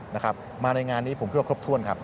นะครับมาในงานนี้ผมคิดว่าครบถ้วนครับ